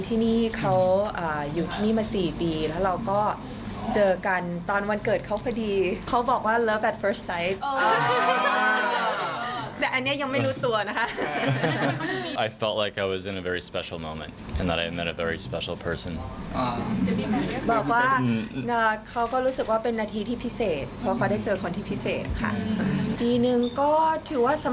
ทำคนแต่งที่โน่นอย่างเดียวค่ะ